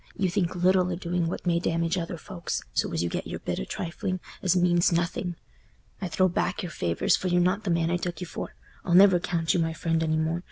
You think little o' doing what may damage other folks, so as you get your bit o' trifling, as means nothing. I throw back your favours, for you're not the man I took you for. I'll never count you my friend any more.